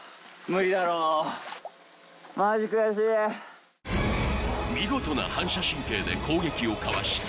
無理だろ見事な反射神経で攻撃をかわし